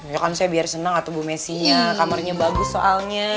ya kan saya biar seneng atuh bu messi nya kamarnya bagus soalnya